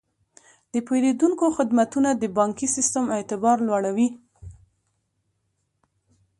د پیرودونکو خدمتونه د بانکي سیستم اعتبار لوړوي.